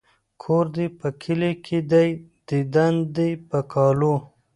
ـ کور دې په کلي کې دى ديدن د په کالو.